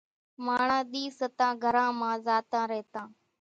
ماڻۿان ۮِي ستان گھران مان زاتان ريتان۔